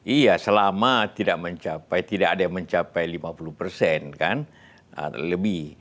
iya selama tidak mencapai tidak ada yang mencapai lima puluh persen kan lebih